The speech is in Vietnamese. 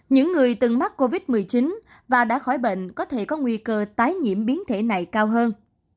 những người từng mắc covid một mươi chín và đã khỏi bệnh có thể có nguy cơ tái nhiễm biến thể này cao hơn